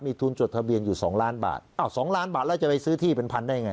ทุนจดทะเบียนอยู่๒ล้านบาทอ้าว๒ล้านบาทแล้วจะไปซื้อที่เป็นพันได้ไง